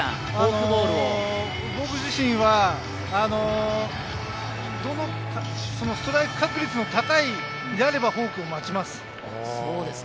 僕自身はストライク確率が高いのであれば、ボールを待ちます。